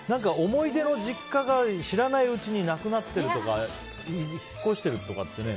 思い出の実家が知らないうちになくなってるとか引っ越してるとかってね